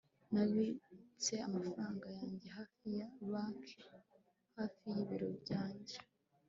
nabitse amafaranga yanjye hafi ya banki hafi y'ibiro byanjye